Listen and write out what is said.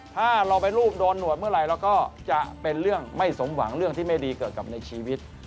ถ้าเราไปรูปโดนหนวดเมื่อไหร่เราก็จะเป็นเรื่องไม่สมหวังเรื่องที่ไม่ดีเกิดกับในชีวิต